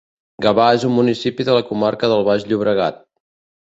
Gavà és un municipi de la comarca del Baix Llobregat